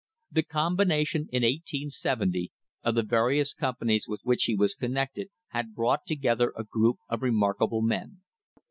The com bination, in 1870, of the various companies with which he was connected had brought together a group of remarkable men.